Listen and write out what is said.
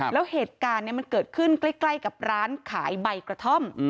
แล้วเหตุการณ์มันเกิดขึ้นใกล้กับร้านขายใบกระท่อม